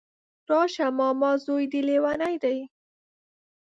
راشه ماما ځوی دی ليونی دی